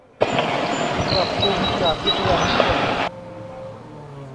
ปรับปรุงจากวิทยานิพนธ์